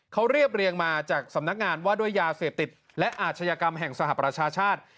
เขาเรียบเรียงมาจากสำนักงานว่าด้วยยาเสพติดและอาชญากรรมแห่งสหประชาชาติ